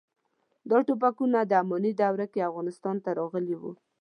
دا ټوپکونه د اماني دورې کې افغانستان ته راغلي وو.